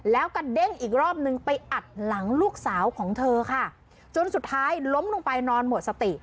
แล้วกระเด้งอีกรอบนึงไปอัดหลังลูกสาวของเธอค่ะจนสุดท้ายล้มลงไปนอนหมดสติ